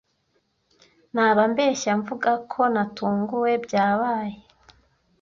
Naba mbeshya mvuga ko natunguwe byabaye.